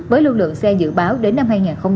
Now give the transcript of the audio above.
với lưu lượng xe dự báo đến năm hai nghìn hai mươi